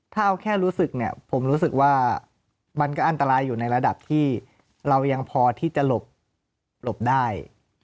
ถ้าเอาแค่รู้สึกเนี่ยผมรู้สึกว่ามันก็อันตรายอยู่ในระดับที่เรายังพอที่จะหลบได้